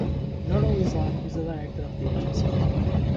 Nurul Islam is the Director of the agency.